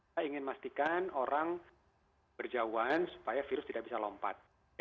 kita ingin memastikan orang berjauhan supaya virus tidak bisa lompat